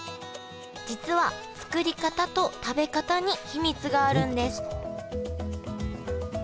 実は作り方と食べ方に秘密があるんです